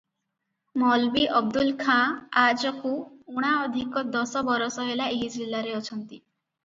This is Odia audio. ମୌଲବୀ ଅବଦୁଲ ଖାଁ ଆଜକୁ ଊଣା ଅଧିକ ଦଶ ବରଷ ହେଲା ଏହି ଜିଲାରେ ଅଛନ୍ତି ।